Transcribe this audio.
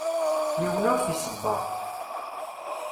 Yiwen ur t-iṣebber.